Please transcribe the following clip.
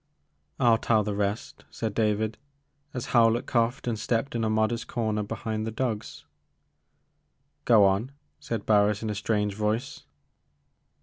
I '11 tell the rest, said David, as Howlett coughed and stepped in a modest comer behind the dogs. Go on,*' said Barris in a strange voice.